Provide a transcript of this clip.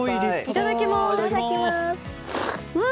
いただきます。